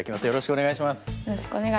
よろしくお願いします。